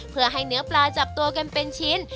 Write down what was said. เพื่อให้เนื้อปลาจับตัวกันเป็นชิ้น